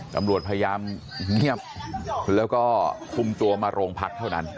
ตำรวจพยายามเงียบแล้วก็คุมตัวมาโรงพักเท่านั้น